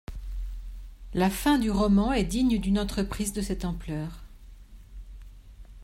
La fin du roman est digne d'une entreprise de cette ampleur.